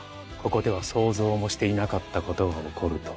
ここでは想像もしていなかったことが起こると。